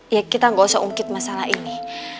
ya kita gak usah ungkit masalah ini